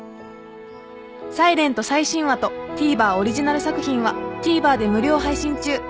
［『ｓｉｌｅｎｔ』最新話とＴＶｅｒオリジナル作品はＴＶｅｒで無料配信中］